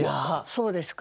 そうですか。